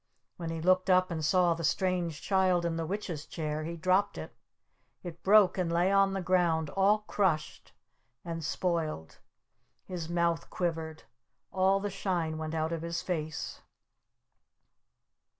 When he looked up and saw the Strange Child in the Witch's Chair he dropped it! It broke and lay on the ground all crushed and spoiled! His mouth quivered! All the shine went out of his face!